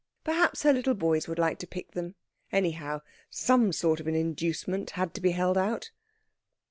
Perhaps her little boys would like to pick them; anyhow, some sort of an inducement had to be held out.